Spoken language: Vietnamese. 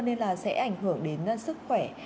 nên là sẽ ảnh hưởng đến sức khỏe